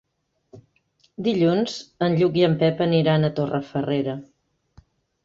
Dilluns en Lluc i en Pep aniran a Torrefarrera.